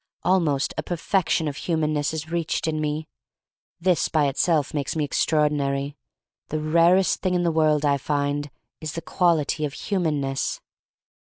Almost a perfection of humanness is reached in me. This by ^ itself makes me extraordinary. The rarest thing in the world, I find, is the quality of humanness.